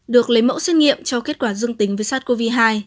được lấy mẫu xét nghiệm cho kết quả dương tính với sars cov hai